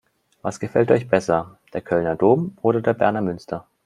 Was gefällt euch besser: Der Kölner Dom oder der Berner Münster?